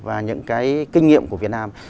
và những cái kinh nghiệm của việt nam